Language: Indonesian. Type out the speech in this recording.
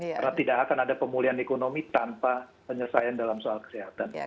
karena tidak akan ada pemulihan ekonomi tanpa penyelesaian dalam soal kesehatan